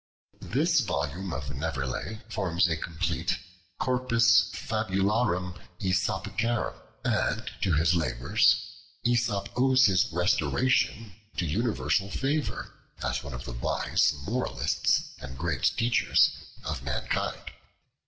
This volume of Nevelet forms a complete "Corpus Fabularum Aesopicarum;" and to his labors Aesop owes his restoration to universal favor as one of the wise moralists and great teachers of mankind.